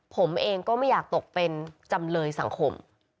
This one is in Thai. ผมเองก็ไม่อยากตกเป็นจำเลยสังคม